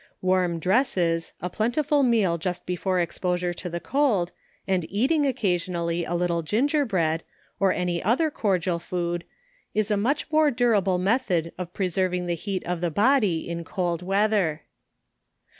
Warm dresses, a plentiful meal just before exposure to the cold, and eat ing occasionally a little gingerbread, or any other cor dial food, is a much more durable method of preserving the heat of the body in cold weather.